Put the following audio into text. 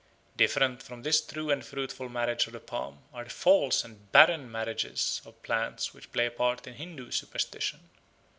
Different from this true and fruitful marriage of the palm are the false and barren marriages of plants which play a part in Hindoo superstition.